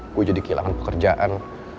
gue jadi kehilangan pekerjaan